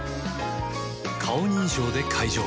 顔認証で解錠